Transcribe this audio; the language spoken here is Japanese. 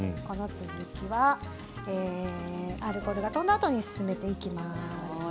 この続きはアルコールが飛んだあとに進めていきます。